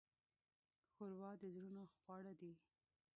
ښوروا د زړونو خواړه دي.